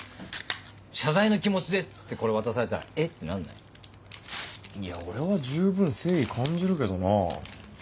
「謝罪の気持ちです」っつってこれ渡されたら「え？」ってなんない？いや俺は十分誠意感じるけどなぁ。